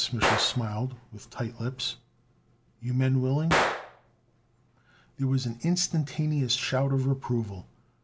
Mich'l smiled with tight lips. "You men willing?" There was an instantaneous shout of approval.